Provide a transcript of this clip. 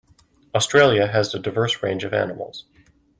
Australia has a diverse range of animals.